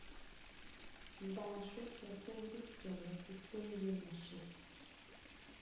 Nda xú jesun ndí chu nga kitingui naxi.